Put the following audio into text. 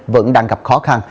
vẫn đang gặp khó khăn